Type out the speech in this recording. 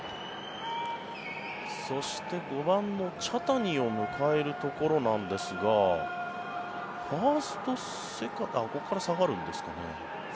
そして、５番の茶谷を迎えるところなんですがここから下がるんですかね。